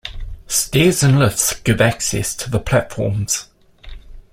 Stairs and lifts give access to the platforms.